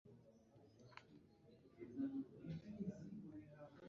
Mubisanzwe biragoye kumenyera kubaho mumico yamahanga.